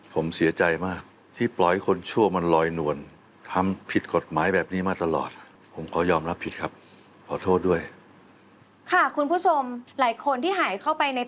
ป่อลูนิจจะเป็นนักข่าวดีเพื่อทุกคนเหมือนที่ป่อตำเนอะ